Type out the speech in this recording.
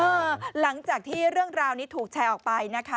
หลังจากที่เรื่องราวนี้ถูกแชร์ออกไปนะคะ